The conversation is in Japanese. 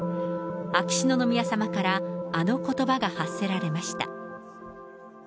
秋篠宮さまからあのことばが発せられました。